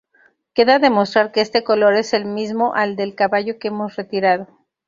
Queda demostrar que este color es el mismo al del caballo que hemos retirado.